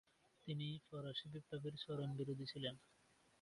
তিনি ফরাসি বিপ্লবের চরম বিরোধী ছিলেন।